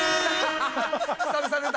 久々出た！